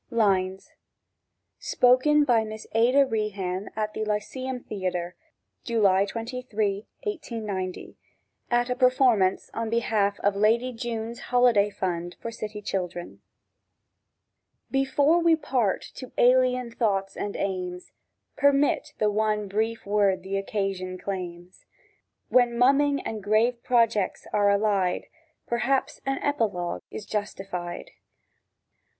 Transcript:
1866. LINES Spoken by Miss ADA REHAN at the Lyceum Theatre, July 23, 1890, at a performance on behalf of Lady Jeune's Holiday Fund for City Children. BEFORE we part to alien thoughts and aims, Permit the one brief word the occasion claims: —When mumming and grave projects are allied, Perhaps an Epilogue is justified.